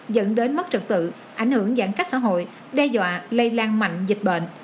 dẫn đến mất trật tự ảnh hưởng giãn cách xã hội đe dọa lây lan mạnh dịch bệnh